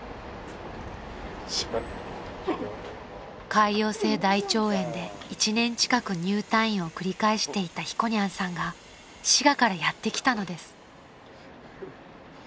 ［潰瘍性大腸炎で１年近く入退院を繰り返していたひこにゃんさんが滋賀からやって来たのです］